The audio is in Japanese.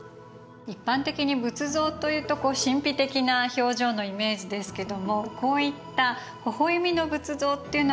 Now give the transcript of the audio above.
一般的に仏像というとこう神秘的な表情のイメージですけどもこういったほほ笑みの仏像っていうのは親近感が湧きますね。